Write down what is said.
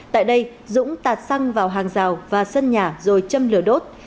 tại đây dũng tạt xăng vào hàng rào và sân nhà rồi châm lửa đốt